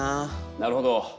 なるほど。